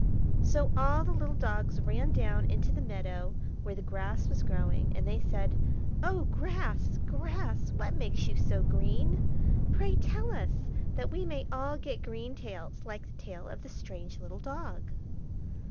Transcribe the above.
So all the little dogs ran down into the meadow where the grass was growing, and they said, "Oh, grass, grass! what makes you so green? Pray tell us, that we may all get green tails, like the tail of the strange little dog."